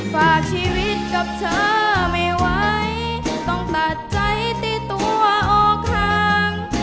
ฝากชีวิตกับเธอไม่ไหวต้องตัดใจตีตัวออกห่าง